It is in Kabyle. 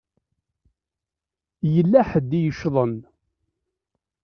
Yella ḥedd i yeccḍen.